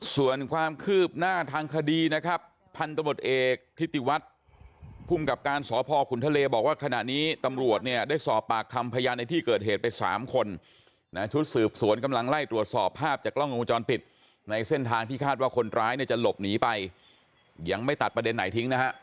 ส่วนความคืบหน้าทางคดีนะครับพันธบทเอกทิติวัฒน์ภูมิกับการสพขุนทะเลบอกว่าขณะนี้ตำรวจเนี่ยได้สอบปากคำพยานในที่เกิดเหตุไป๓คนนะชุดสืบสวนกำลังไล่ตรวจสอบภาพจากกล้องวงจรปิดในเส้นทางที่คาดว่าคนร้ายเนี่ยจะหลบหนีไปยังไม่ตัดประเด็นไหนทิ้งนะฮะ